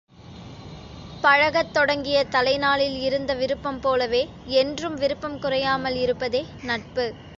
பழகத் தொடங்கிய தலை நாளில் இருந்த விருப்பம் போலவே, என்றும் விருப்பம் குறையாமல் இருப்பதே நட்பு.